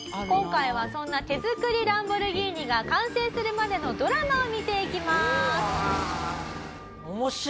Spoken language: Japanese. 「今回はそんな手作りランボルギーニが完成するまでのドラマを見ていきます」